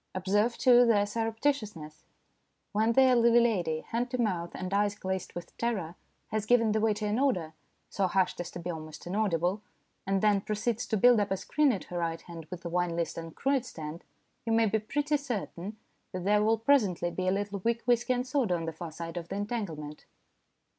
Observe, too, their surreptitiousness. When the elderly lady, hand to mouth and eyes glazed with terror, has given the waiter an order, so hushed as to be almost inaudible, and then proceeds to build up 181 182 STORIES IN GREY a screen at her right hand with the wine list and cruet stand, you may be pretty certain that there will presently be a little weak whisky and soda on the far side of the entanglement.